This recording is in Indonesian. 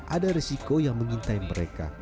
ada resiko yang mengintai mereka